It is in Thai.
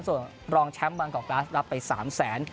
ส่วนรองแชมป์บางกอกกราสรับไป๓แสน